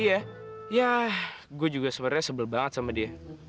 iya ya gue juga sebenarnya sebel banget sama dia